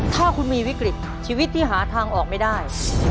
ถ้าคุณมีวิกฤตชีวิตที่หาทางออกไม่ได้